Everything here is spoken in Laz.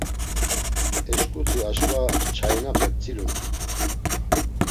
E şǩuti aşǩva çayinape p̌tzilumt̆itu.